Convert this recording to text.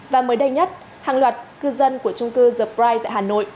và mới đây nhất hàng loạt cư dân của trung cư the pride tại hà nội